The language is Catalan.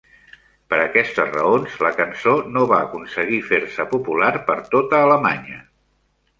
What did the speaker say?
Per aquestes raons, la cançó no va aconseguir fer-se popular per tota Alemanya.